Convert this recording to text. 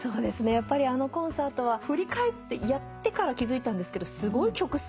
やっぱりあのコンサートは振り返ってやってから気付いたんですけどすごい曲数を歌ってたんですよね。